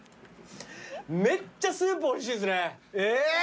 めっちゃスープおいしいですね。